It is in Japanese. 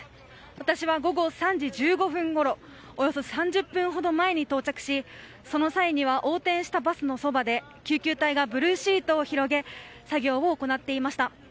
私は午後３時１５分ごろおよそ３０分ほど前に到着しその際には横転したバスのそばで救急隊がブルーシートを広げ作業を行っていました。